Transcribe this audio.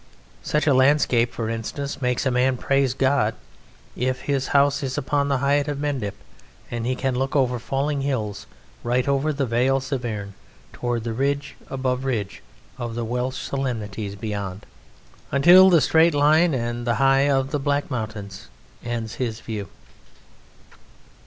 Such a landscape, for instance, makes a man praise God if his house is upon the height of Mendip, and he can look over falling hills right over the Vale of Severn toward the ridge above ridge of the Welsh solemnities beyond, until the straight line and high of the Black Mountains ends his view.